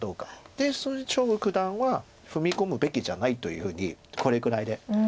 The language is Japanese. でそれを張栩九段は踏み込むべきじゃないというふうにこれくらいで。